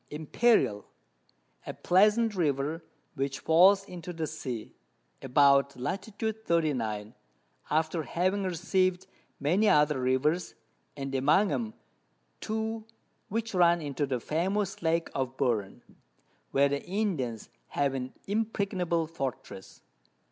Imperial, a pleasant River, which falls into the Sea, about Lat. 39. after having receiv'd many other Rivers, and among 'em two which run into the famous Lake of Buren, where the Indians have an impregnable Fortress.